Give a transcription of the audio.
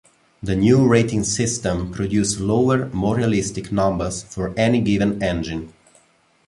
The new rating system produced lower, more realistic numbers for any given engine.